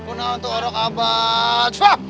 kuna untuk orang kabar